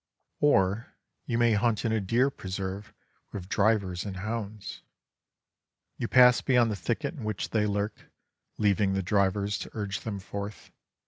Or you may hunt in a deer preserve with drivers and hounds. You pass beyond the thicket in which they lurk, leaving the drivers to urge them forth.